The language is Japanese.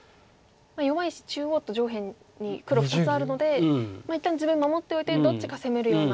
弱い石中央と上辺に黒２つあるので一旦自分を守っておいてどっちか攻めるような。